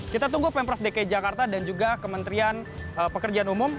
kita tunggu pemprov dki jakarta dan juga kementerian pekerjaan umum